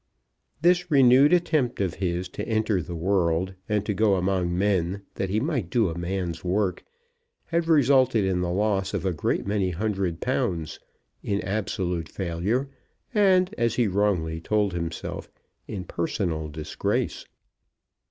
This renewed attempt of his to enter the world and to go among men that he might do a man's work, had resulted in the loss of a great many hundred pounds, in absolute failure, and, as he wrongly told himself, in personal disgrace.